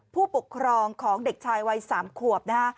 ผู้ปกครองของเด็กชายวัย๓ขวบนะฮะ